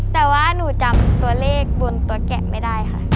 แต่ว่าหนูจำตัวเลขบนตัวแกะไม่ได้ค่ะ